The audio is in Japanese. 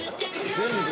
全部。